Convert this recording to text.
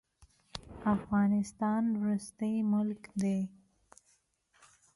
افغانستان وروستی ملک دی.